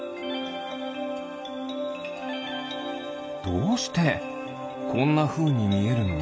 どうしてこんなふうにみえるの？